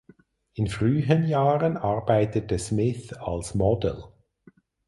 In frühen Jahren arbeitete Smith als Model.